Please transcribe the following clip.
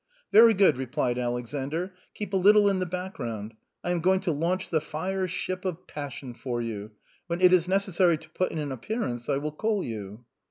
" Very good," replied Alexander, " keep a little in the background; I am going to launch the fire ship of passion for you. When it is necessary to put in an appearance I will call 5^ou."